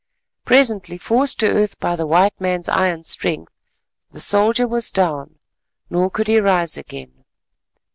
Presently forced to earth by the white man's iron strength, the soldier was down, nor could he rise again.